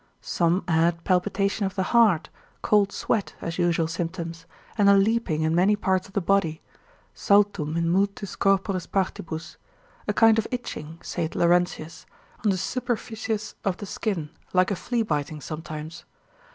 Some add palpitation of the heart, cold sweat, as usual symptoms, and a leaping in many parts of the body, saltum in multis corporis partibus, a kind of itching, saith Laurentius, on the superficies of the skin, like a flea biting sometimes.